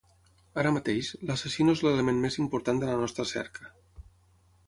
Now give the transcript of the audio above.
Ara mateix, l'assassí no és l'element més important de la nostra cerca.